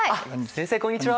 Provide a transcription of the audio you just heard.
先生こんにちは。